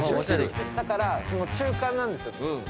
だから中間なんですよ。